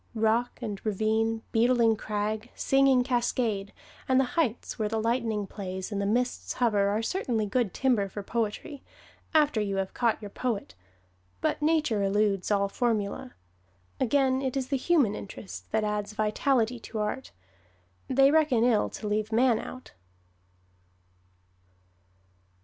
Rock and ravine, beetling crag, singing cascade, and the heights where the lightning plays and the mists hover are certainly good timber for poetry after you have caught your poet but Nature eludes all formula. Again, it is the human interest that adds vitality to art they reckon ill to leave man out.